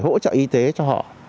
hỗ trợ y tế cho họ